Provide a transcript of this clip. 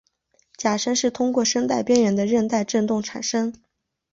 假声是通过声带边缘的韧带振动产生。